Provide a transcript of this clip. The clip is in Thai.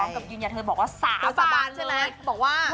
คร้องกับยืนยันเธอบอกว่าสาบอาชิกตกสบายเลย